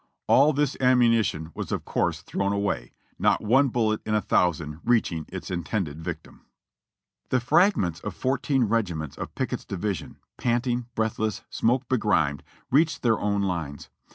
All this ammunition was of course thrown away, not one bullet in a thousand reaching its intended victim^ The fragments of fourteen regiments of Pickett's division, panting, breathless, smoke begrimed, reached their own lines.